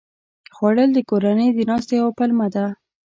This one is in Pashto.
خوړل د کورنۍ د ناستې یوه پلمه ده